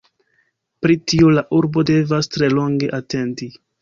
Pri tio la urbo devas tre longe atendi.